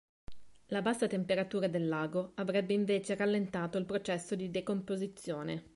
La bassa temperatura del lago avrebbe invece rallentato il processo di decomposizione.